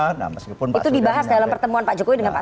itu dibahas dalam pertemuan pak jokowi dengan pak